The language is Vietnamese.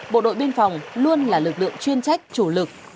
bộ đội biên phòng luôn là lực lượng chuyên trách chủ lực